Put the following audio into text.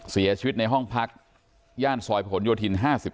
เสียชีวิตในห้องพักย่านซอยผนโยธิน๕๔